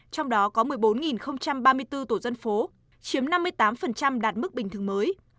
trong đó có một mươi bốn ba mươi bốn tổ dân phố chiếm năm mươi tám đạt mức bình thường mới